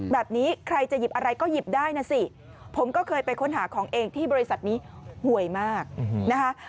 แบบนี้ใครจะหยิบอะไรก็หยิบได้นะสิผมก็เคยไปค้นหาของเองที่บริษัทนี้หวยมากนะคะ